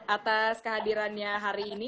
atas kehadirannya hari ini